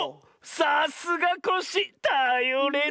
さすがコッシーたよれる。